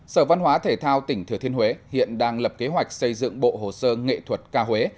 sở văn hóa thể thao tỉnh thừa thiên huế hiện đang lập kế hoạch xây dựng bộ hồ sơ nghệ thuật ca huế